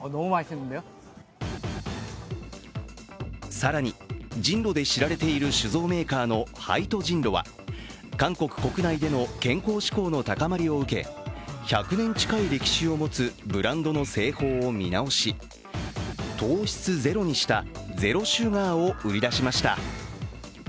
更に、ジンロで知られている酒造メーカーのハイトジンロは韓国国内での健康志向の高まりを受け、１００年近い歴史を持つブランドの製法を見直し、糖質ゼロにしたゼロシュガーを売り出しました。